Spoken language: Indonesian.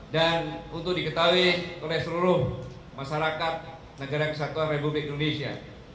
untuk diketahui oleh seluruh masyarakat negara kesatuan republik indonesia